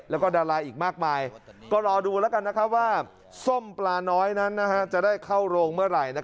แล้วก็ดาราอีกมากมายก็รอดูแล้วกันว่าส้มปลาน้อยนั้นจะได้เข้าโรงเมื่อไหร่